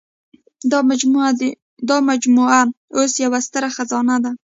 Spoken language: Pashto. دا مجموعه اوس یوه ستره خزانه ده.